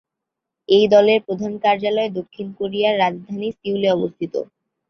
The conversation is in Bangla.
এই দলের প্রধান কার্যালয় দক্ষিণ কোরিয়ার রাজধানী সিউলে অবস্থিত।